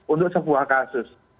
untuk sebuah kasus